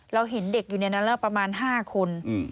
เราเห็นเด็กอยู่ในนั้นแล้วประมาณ๕คน